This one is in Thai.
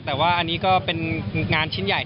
แต่ว่าอันนี้ก็เป็นงานชิ้นใหญ่